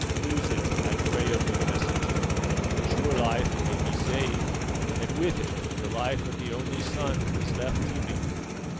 Use it, I pray of you, Messenger, that your life may be saved, and with it the life of the only son who is left to me."